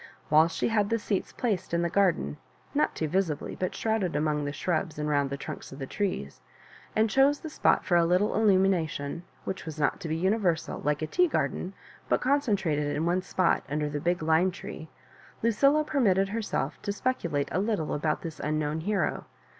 While she had the seats placed in the garden (not too visibly, but shrouded among the shrubs and round the trunks of Uie trees), and chose the spot for a little illu mination, which was not to be universal, like a tea garden, but concentrated in one spot under the big lime tree, Lucilla permitted herself to specu late a little about this unknown hero.